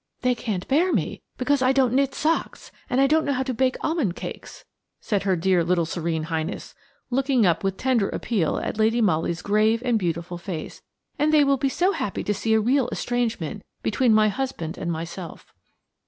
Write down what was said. "They can't bear me, because I don't knit socks and don't know how to bake almond cakes," said her dear little Serene Highness, looking up with tender appeal at Lady Molly's grave and beautiful face; "and they will be so happy to see a real estrangement between my husband and myself."